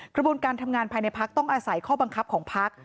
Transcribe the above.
กระบวนการทำงานภายในพักต้องอาศัยข้อบังคับของพัก